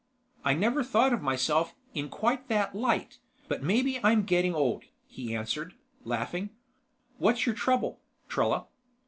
"I never thought of myself in quite that light, but maybe I'm getting old," he answered, laughing. "What's your trouble, Trella?"